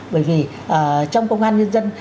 bởi vì trong công an nhân dân